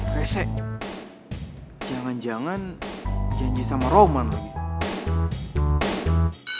resek jangan jangan janji sama roman lagi